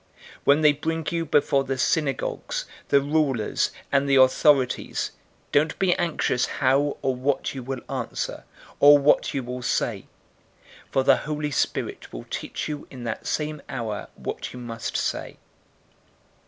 012:011 When they bring you before the synagogues, the rulers, and the authorities, don't be anxious how or what you will answer, or what you will say; 012:012 for the Holy Spirit will teach you in that same hour what you must say."